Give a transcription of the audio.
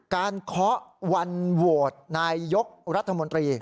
เคาะวันโหวตนายยกรัฐมนตรี